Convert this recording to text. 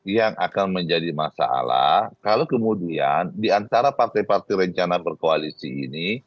yang akan menjadi masalah kalau kemudian diantara partai partai rencana berkoalisi ini